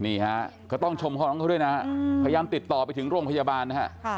นี่ฮะก็ต้องชมคู่พยายามติดต่อไปถึงโรงพยาบาลนะครับ